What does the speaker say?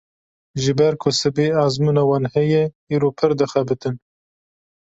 Ji ber ku sibê ezmûna wan heye, îro pir dixebitin.